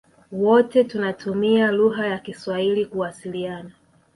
Wote tunatumia lugha ya kiswahili kuwasiliana